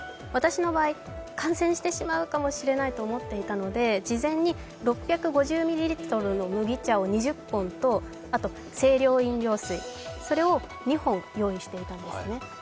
私の場合、感染してしまうかもしれないと思っていたので事前に６５０ミリリットルの麦茶を２０本とあと、清涼飲料水を２本用意していたんですね。